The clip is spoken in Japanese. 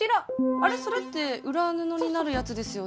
あれそれって裏布になるやつですよね？